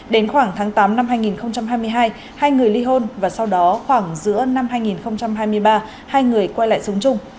đến khoảng tháng tám năm hai nghìn hai mươi hai hai người ly hôn và sau đó khoảng giữa năm hai nghìn hai mươi ba hai người quay lại súng chung